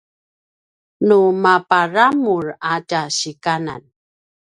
nu maparamur a tja sikanan